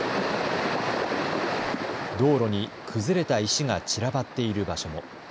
道路に崩れた石が散らばっている場所も。